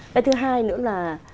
cái thứ hai nữa là